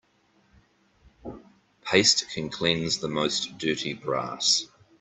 Paste can cleanse the most dirty brass.